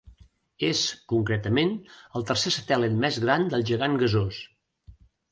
És, concretament, el tercer satèl·lit més gran del gegant gasós.